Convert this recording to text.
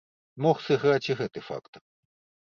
Мог сыграць і гэты фактар.